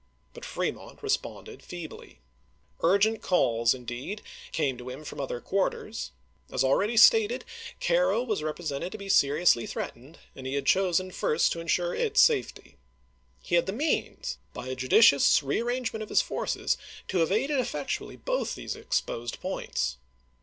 But Fremont responded feebly. Urgent calls in deed came to him from other quarters. As already stated, Cairo was represented to be seriously threatened, and he had chosen first to insure its safety. He had the means, by a judicious re arrangement of his forces, to have aided effec tually both these exposed points.